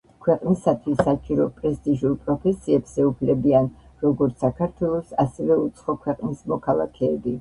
ქვეყნისათვის საჭირო პრესტიჟულ პროფესიებს ეუფლებიან, როგორც საქართველოს, ასევე უცხო ქვეყნის მოქალაქეები.